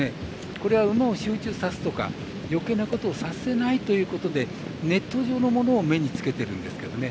これは馬を集中させるとかよけいなことをさせないということでネット状のものを目につけているんですけどね。